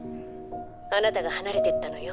あなたが離れていったのよ。